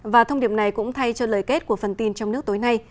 và thông điệp này cũng thay cho lời kết của phần tin trong nước tối nay